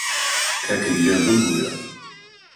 کاکەگیان بمبوورە